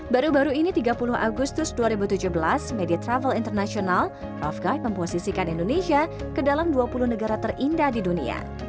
baru baru ini tiga puluh agustus dua ribu tujuh belas media travel international rov guide memposisikan indonesia ke dalam dua puluh negara terindah di dunia